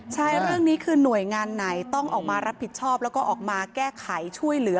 ใช่เรื่องนี้คือหน่วยงานไหนต้องออกมารับผิดชอบแล้วก็ออกมาแก้ไขช่วยเหลือ